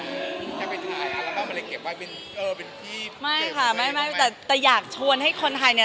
แค่เป็นไทยอัลล่ามันเลยเก็บไว้เป็นเออเป็นพี่เก็บไว้ไม่แต่อยากชวนให้คนไทยเนี่ย